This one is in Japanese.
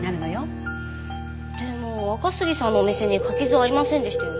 でも若杉さんのお店に柿酢はありませんでしたよね。